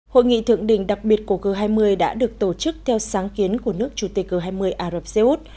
hội nghị thượng đỉnh đặc biệt của g hai mươi đã được tổ chức theo sáng kiến của nước chủ tịch g hai mươi ả rập xê út